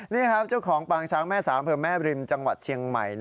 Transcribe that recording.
นี่ครับเจ้าของปางช้างแม่สามอำเภอแม่บริมจังหวัดเชียงใหม่